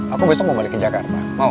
aku besok mau balik ke jakarta mau